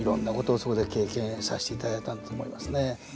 そこで経験させていただいたんだと思いますね。